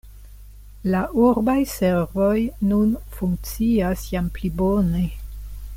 La urbaj servoj nun funkcias jam pli bone.